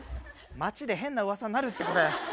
町で変なうわさになるってこれ。